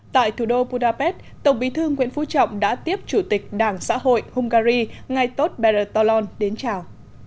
tại thủ đô budapest tổng bí thư nguyễn phú trọng đã tiếp chủ tịch đảng xã hội hungary ngay tóth bertholong đến chào